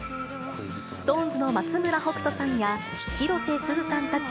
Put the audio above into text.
ＳｉｘＴＯＮＥＳの松村北斗さんや広瀬すずさんたち